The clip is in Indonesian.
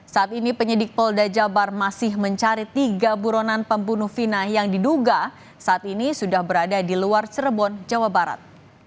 saat ini penyidik polda jabar masih mencari tiga buronan pembunuh fina yang diduga saat ini sudah berada di luar cirebon jawa barat